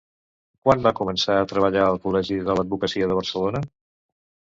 Quan va començar a treballar al Col·legi de l'Advocacia de Barcelona?